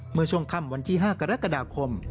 เมื่อช่วงค่ำวันที่๕กรกฎาคม